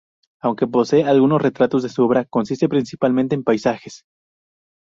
Aunque posee algunos retratos su obra consiste principalmente en paisajes.